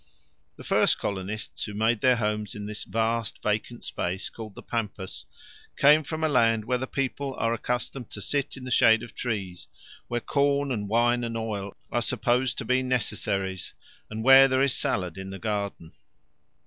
The first colonists who made their homes in this vast vacant space, called the pampas, came from a land where the people are accustomed to sit in the shade of trees, where corn and wine and oil are supposed to be necessaries, and where there is salad in the garden.